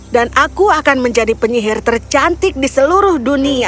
dan aku akan menjadi penyihir tercantik di seluruh dunia